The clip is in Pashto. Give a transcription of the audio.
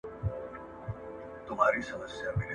افغان زده کوونکي خپلي ستونزي د ډیپلوماسۍ له لاري نه حل کوي.